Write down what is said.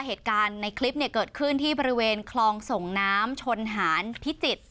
เหตุการณ์ในคลิปเกิดขึ้นที่บริเวณคลองส่งน้ำชนหารพิจิตร